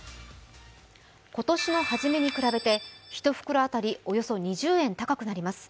今年の初めに比べて１袋当たりおよそ２０円高くなります